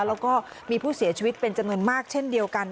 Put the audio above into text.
แล้วก็มีผู้เสียชีวิตเป็นจำนวนมากเช่นเดียวกัน